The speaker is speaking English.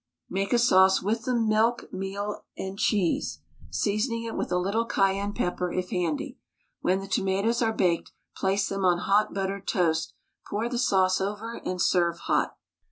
Make a sauce with the milk, meal, and cheese, seasoning it with a little cayenne pepper if handy. When the tomatoes are baked, place them on hot buttered toast, pour the sauce over, and serve hot.